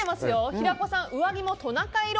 平子さん、上着もトナカイ色！